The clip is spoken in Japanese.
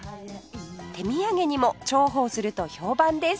手土産にも重宝すると評判です